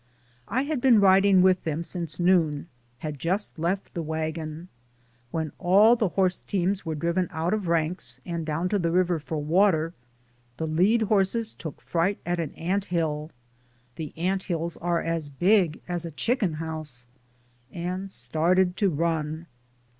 I had been riding with them since noon, had just left the wagon. When all the horse teams were driven out of ranks and down to the river for water, the lead horses took fright at an ant hill — the ant hills are big as a chicken house — and started to run.